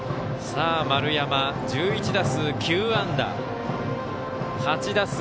丸山、１１打数９安打。